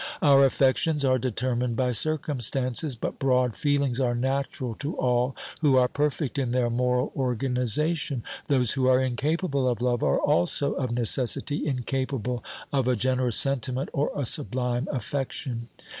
Our affections are determined by circumstances, but broad feelings are natural to all who are perfect in their moral 262 OBERMANN organisation ; those who are incapable of love are also of necessity incapable of a generous sentiment or a sublime affection.